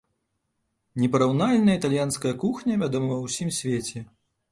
Непараўнальная італьянская кухня вядома ва ўсім свеце.